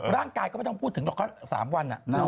ร่างกายก็ไม่ต้องพูดถึงหรอกค่ะ๓วัน